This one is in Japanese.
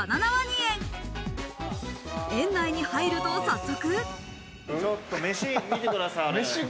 園内に入ると早速。